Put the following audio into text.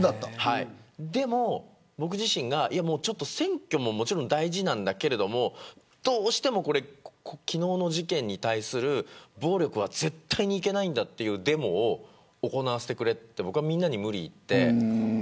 でも、僕自身が選挙ももちろん大事なんだけれどもどうしても昨日の事件に対する暴力は絶対にいけないんだというデモを行わせてくれとみんなに無理を言って。